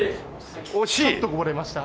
ちょっとこぼれました。